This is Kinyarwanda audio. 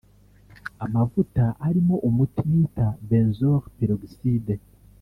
Amavuta arimo umuti bita“benzoyl peroxide”